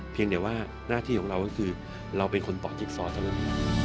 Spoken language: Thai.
เพียงแต่ว่าหน้าที่ของเราก็คือเราเป็นคนต่อจิ๊กซอเท่านั้น